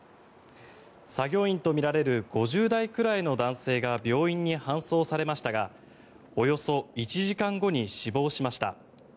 作業員とみられる５０代くらいの男性が病院に搬送されましたがおよそ１時間後に死亡しました。